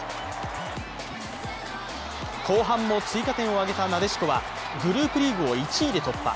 後半も追加点をあげたなでしこはグループリーグを１位で突破。